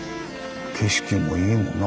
景色もいいもんな